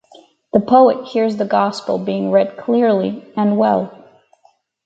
The poet hears the Gospel being read clearly and well.